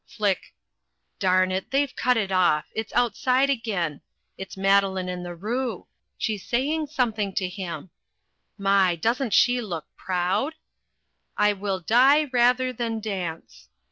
Flick! Darn it! they've cut it off it's outside again it's Madeline and the Roo she's saying something to him my! doesn't she look proud ? "I WILL DIE RATHER THAN DANCE."